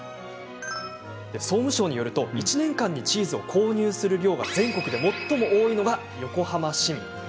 総務省によると１年間にチーズを購入する量が全国で最も多いのが横浜市民。